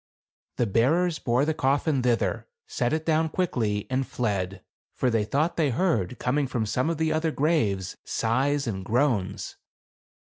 The bearers bore the coffin thither, set it down quickly and fled ; for they thought they heard, coming from some of the other graves, sighs and groans.